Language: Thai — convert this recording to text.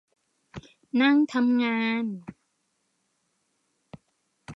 นั่งทำงาน